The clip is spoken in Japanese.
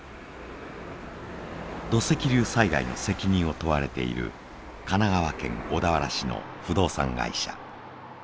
土石流災害の責任を問われている神奈川県小田原市の不動産会社。